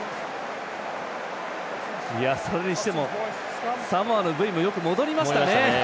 それにしてもサモアのブイもよく戻りましたね。